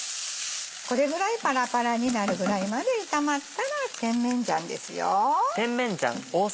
これぐらいパラパラになるぐらいまで炒まったら甜麺醤ですよ。